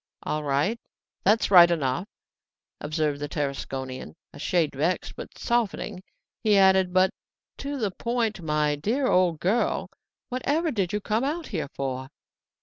"All right, that's all right enough!" observed the Tarasconian, a shade vexed; but softening, he added, "But to the point, my poor old girl; whatever did you come out here for?"